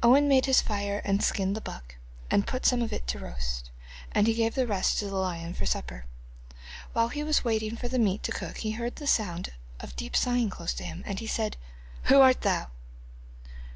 Owen made his fire and skinned the buck, and put some of it to roast, and gave the rest to the lion for supper. While he was waiting for the meat to cook he heard a sound of deep sighing close to him, and he said: 'Who are thou?